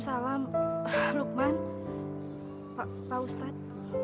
waalaikumsalam lukman pak pak ustad